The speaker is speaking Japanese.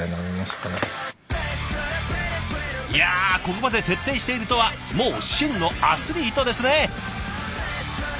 いやここまで徹底しているとはもう真のアスリートですね！